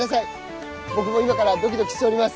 僕も今からドキドキしております。